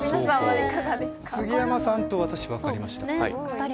杉山さんと私、分かりました。